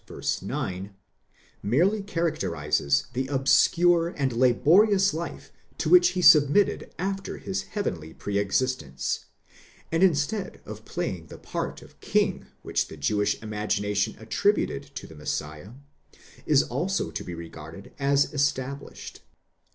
9) merely char acterizes the obscure and laborious life to which he submitted after his heavenly pre existence, and instead of playing the part of king which the Jewish imagination attributed to the Messiah, is also to be regarded as estab lished.